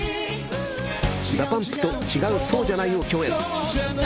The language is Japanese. ＤＡＰＵＭＰと『違う、そうじゃない』を共演。